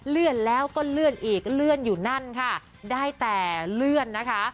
เลื่อนแล้วก็เลื่อนอีกเลื่อนอยู่นั่นค่ะได้แต่เลื่อนนะคะ